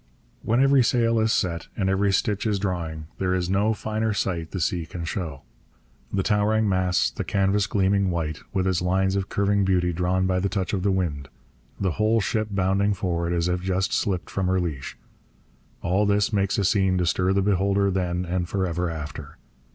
When every sail is set and every stitch is drawing, there is no finer sight the sea can show. The towering masts; the canvas gleaming white, with its lines of curving beauty drawn by the touch of the wind; the whole ship bounding forward as if just slipped from her leash all this makes a scene to stir the beholder then and for ever after.